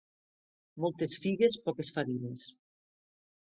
Moltes figues, poques farines.